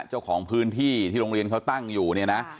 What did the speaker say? เจ้าของพื้นที่ที่โรงเรียนเขาตั้งอยู่เนี่ยนะ